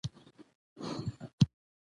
يا دا د خلقي لـور نه وای خـلقۍ بلا وهـلې.